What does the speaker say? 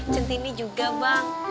centini juga bang